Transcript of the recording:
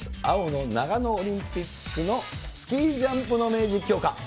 青の長野オリンピックのスキージャンプの名実況か。